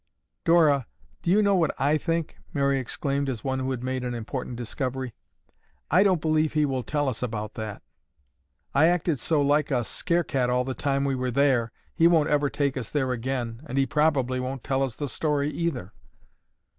"Dora, do you know what I think?" Mary exclaimed as one who had made an important discovery. "I don't believe he will tell us about that. I acted so like a scare cat all the time we were there, he won't ever take us there again and he probably won't tell us the story either."